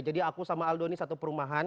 jadi aku sama aldo ini satu perumahan